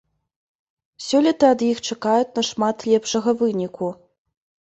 Сёлета ад іх чакаюць нашмат лепшага выніку.